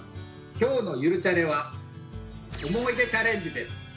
今日の「ゆるチャレ」は思い出チャレンジです。